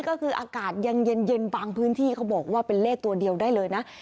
ก็คืออากาศยังเย็นบางพื้นที่เขาบอกว่าเป็นเลขตัวเดียวได้เลยนะ